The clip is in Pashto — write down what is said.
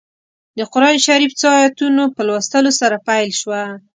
د قران شریف څو ایتونو په لوستلو سره پیل شوه.